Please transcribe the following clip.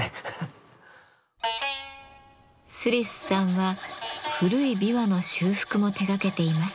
スリスさんは古い琵琶の修復も手がけています。